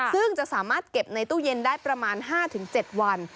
ซึ่งจะสามารถเก็บในตู้เย็นได้ประมาณ๕๗วัน